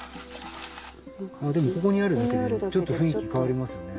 ここにあるだけでちょっと雰囲気変わりますよね。